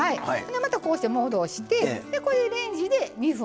またこうして戻してこれでレンジで２分。